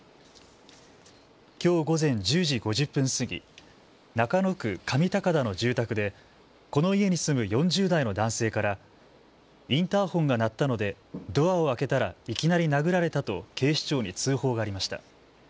きょう午前１０時５０分過ぎ、中野区上高田の住宅でこの家に住む４０代の男性からインターホンが鳴ったのでドアを開けたらいきなり殴られたと警視庁に通報がありました。